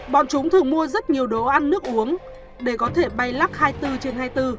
bọn chúng thường mua rất nhiều đồ ăn nước uống để có thể bay lắc hai mươi bốn trên hai mươi bốn